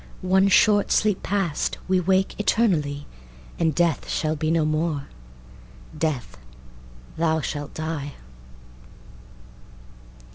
One short sleep past, we wake eternally, And Death shall be no more: Death, thou shalt die!